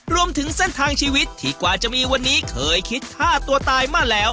รวมถึงเส้นทางชีวิตที่กว่าจะมีวันนี้เคยคิดฆ่าตัวตายมาแล้ว